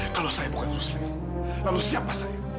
kalau saya bukan muslim lalu siapa saya